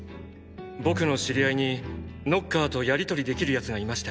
僕の知り合いにノッカーとやりとりできる奴がいまして。